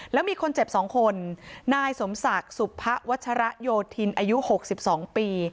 แล้วมีคนเจ็บสองคนนายสมศักดิ์สุพพะวัชรโยธินอายุหกสิบสองปี